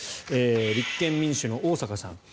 立憲民主の逢坂さん。